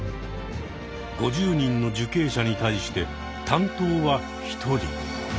５０人の受刑者に対して担当は１人。